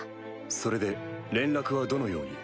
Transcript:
それで連絡はどのように？